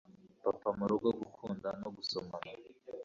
papa murugo gukunda no gusomana